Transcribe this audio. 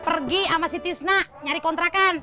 pergi sama si tisna nyari kontrakan